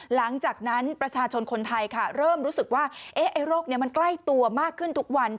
หลังจากนั้นประชาชนคนไทยค่ะเริ่มรู้สึกว่าโรคนี้มันใกล้ตัวมากขึ้นทุกวัน